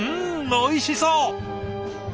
おいしそう！